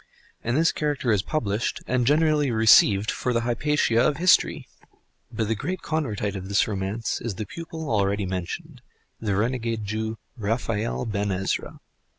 And this character is published and generally received for the Hypatia of history! But the great Convertite of this romance is the pupil already mentioned, the renegade Jew, Raphael Ben Ezra.